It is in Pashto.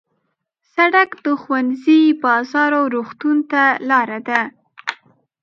سړک د ښوونځي، بازار او روغتون ته لاره ده.